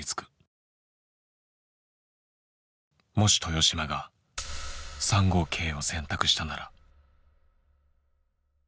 もし豊島が３五桂を選択したなら。